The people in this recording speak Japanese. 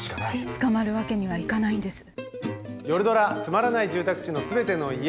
捕まるわけにはいかないんです。